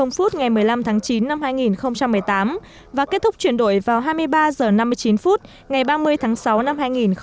ngày một mươi năm tháng chín năm hai nghìn một mươi tám và kết thúc chuyển đổi vào hai mươi ba h năm mươi chín phút ngày ba mươi tháng sáu năm hai nghìn một mươi chín